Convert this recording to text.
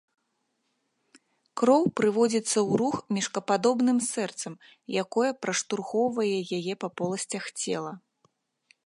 Кроў прыводзіцца ў рух мешкападобным сэрцам, якое праштурхоўвае яе па поласцях цела.